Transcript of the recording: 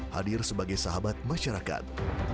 hadir sebagai sahabat masyarakat